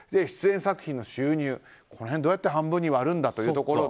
出演作品の収入、この辺をどうやって半分に割るんだと。